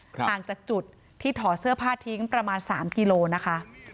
ห่างจากจุดที่ถอดเสื้อผ้าทิ้งประมาณ๓กิโลนะคะ